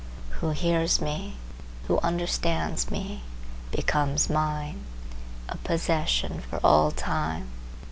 Who hears me, who understands me, becomes mine,—a possession for all time.